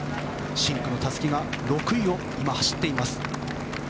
深紅のたすきが６位を今、走っています。